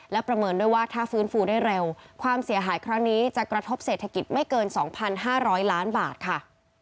และประเมินด้วยว่าถ้าฟื้นฟูได้เร็วความเสียหายครั้งนี้จะกระทบเศรษฐกิจไม่เกิน๒๕๐๐ล้านบาทค่ะ